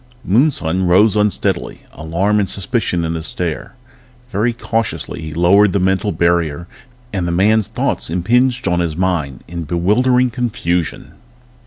Moonson rose unsteadily, alarm and suspicion in his stare. Very cautiously he lowered the mental barrier and the man's thoughts impinged on his mind in bewildering confusion.